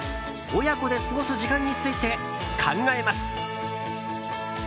親子で過ごす時間について考えます。